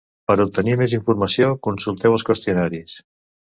Per obtenir més informació, consulteu els qüestionaris.